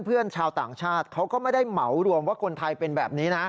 เพื่อนชาวต่างชาติเขาก็ไม่ได้เหมารวมว่าคนไทยเป็นแบบนี้นะ